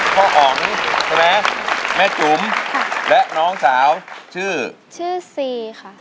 อ๋องใช่ไหมแม่จุ๋มและน้องสาวชื่อชื่อซีค่ะ